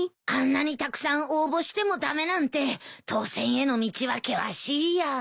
あんなにたくさん応募しても駄目なんて当選への道は険しいや。